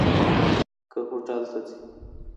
که هوټل ته ځي.